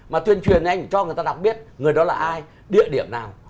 mà tuyên truyền anh cho người ta đọc biết người đó là ai địa điểm nào